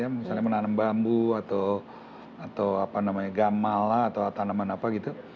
misalnya menanam bambu atau gamala atau tanaman apa gitu